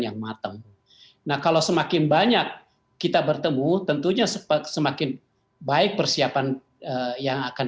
yang matem nah kalau semakin banyak kita bertemu tentunya sepak semakin baik persiapan yang akan